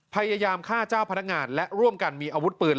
พยายามฆ่าเจ้าพนักงานและร่วมกันมีอาวุธปืน